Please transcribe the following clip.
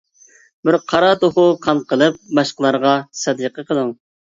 بىر قارا توخۇ قان قىلىپ، باشقىلارغا سەدىقە قىلىڭ.